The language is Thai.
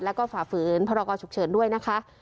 แล้วก็ฝ่าฝืนพรกรฉุกเฉินด้วยนะคะ